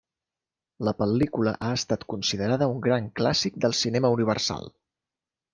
La pel·lícula ha estat considerada un gran clàssic del cinema universal.